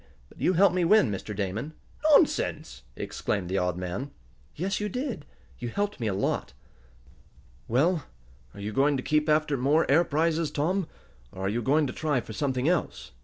But you helped me win, Mr. Damon." "Nonsense!" exclaimed the odd man. "Yes, you did. You helped me a lot." "Well, are you going to keep after more air prizes, Tom, or are you going to try for something else?"